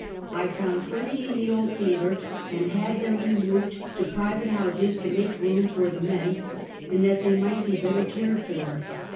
I found twenty in the Old Theater, and had them removed to private houses, to make room for the men, and that they might be better cared for.